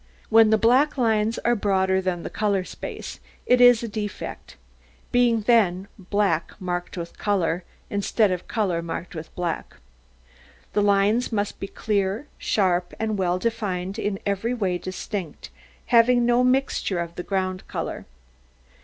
When the black lines are broader than the colour space, it is a defect, being then black marked with colour, instead of colour marked with black. The lines must be clear, sharp, and well defined, in every way distinct, having no mixture of the ground colour.